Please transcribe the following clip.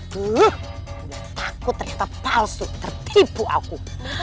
wuh takut ternyata palsu tertipu aku